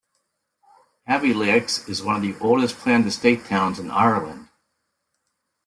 Abbeyleix is one of the oldest planned estate towns in Ireland.